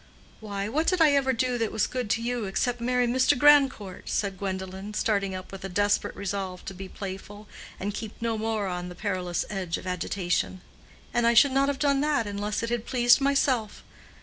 "Why, what did I ever do that was good to you, except marry Mr. Grandcourt?" said Gwendolen, starting up with a desperate resolve to be playful, and keep no more on the perilous edge of agitation. "And I should not have done that unless it had pleased myself."